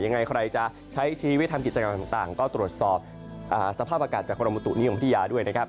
ยังไงใครจะใช้ชีวิตทำกิจกรรมต่างก็ตรวจสอบสภาพอากาศจากกรมบุตุนิยมพัทยาด้วยนะครับ